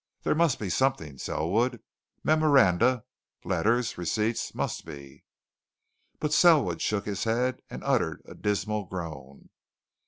There must be something, Selwood memoranda, letters, receipts must be!" But Selwood shook his head and uttered a dismal groan.